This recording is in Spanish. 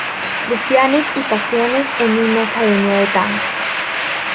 Rufianes y pasiones en una academia de tango.